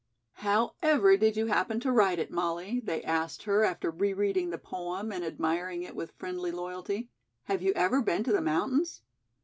"How ever did you happen to write it, Molly?" they asked her after re reading the poem and admiring it with friendly loyalty. "Have you ever been to the mountains?"